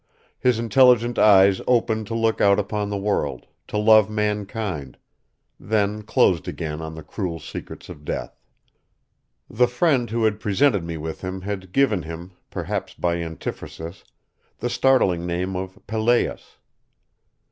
His intelligent eyes opened to look out upon the world, to love mankind, then closed again on the cruel secrets of death. The friend who presented me with him had given him, perhaps by antiphrasis, the startling name of Pelléas.